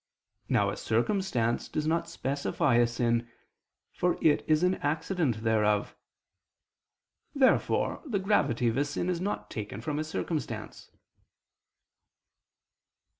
Now a circumstance does not specify a sin, for it is an accident thereof. Therefore the gravity of a sin is not taken from a circumstance.